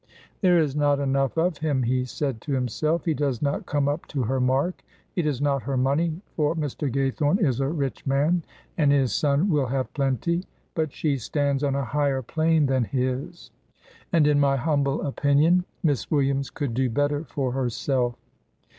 "There is not enough of him," he said to himself. "He does not come up to her mark. It is not her money, for Mr. Gaythorne is a rich man and his son will have plenty, but she stands on a higher plane than his, and, in my humble opinion, Miss Williams could do better for herself."